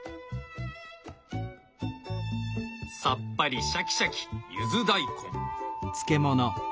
さっぱりシャキシャキゆず大根。